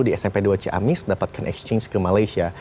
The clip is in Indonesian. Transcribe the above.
di smp dua ciamis dapatkan exchange ke malaysia